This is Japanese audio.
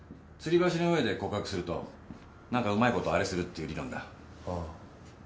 つり橋の上で告白すると何かうまいことあれするっていう理論だ。ああ。